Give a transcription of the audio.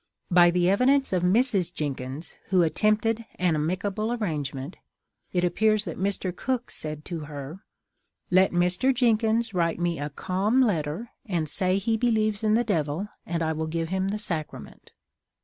By the evidence of Mrs. Jenkins, who attempted an amicable arrangement, it appears that Mr. Cook said to her: "Let Mr. Jenkins write me a calm letter, and say he believes in the Devil, and I will give him the Sacrament."